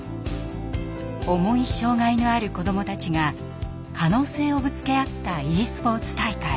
重い障害のある子どもたちが可能性をぶつけ合ったｅスポーツ大会。